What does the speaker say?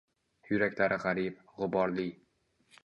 Yuraklari gʼarib, gʼuborli.